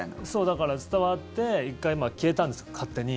だから、伝わって１回消えたんです、勝手に。